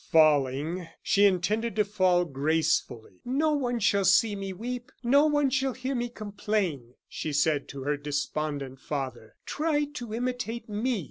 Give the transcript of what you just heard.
Falling, she intended to fall gracefully. "No one shall see me weep; no one shall hear me complain," she said to her despondent father; "try to imitate me."